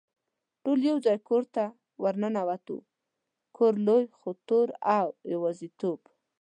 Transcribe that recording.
ټول یو ځای کور ته ور ننوتو، کور لوی خو تور او د یوازېتوب.